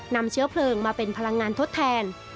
นำเชื้อเพลิงมาเป็นพลังงานทดแทน